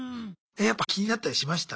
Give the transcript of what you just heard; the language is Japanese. やっぱ気になったりしました？